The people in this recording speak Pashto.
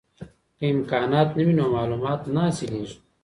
که امکانات نه وي نو معلومات نه حاصلیږي.